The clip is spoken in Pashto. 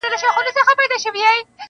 • ډنبار ډېر لږ عمر وکړ -